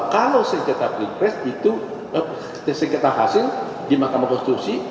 kalau sekretar hasil di mahkamah konstitusi